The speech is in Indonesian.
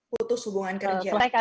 putus hubungan kerja